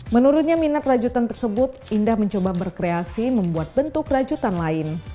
menurutnya minat rajutan tersebut indah mencoba berkreasi membuat bentuk rajutan lain